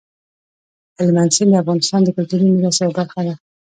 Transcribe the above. هلمند سیند د افغانستان د کلتوري میراث یوه برخه ده.